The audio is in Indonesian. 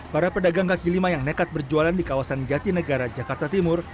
para pedagang kaki lima yang nekat berjualan di kawasan jatinegara jakarta timur